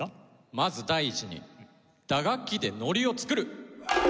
まず第１に打楽器でノリを作る！